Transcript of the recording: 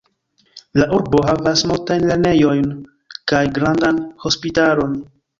La urbo havas multajn lernejojn kaj grandan hospitalon.